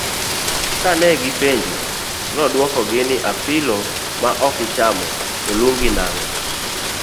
Kane gi penje, noduoko gi ni apilo ma okichamo to lungi nang'o?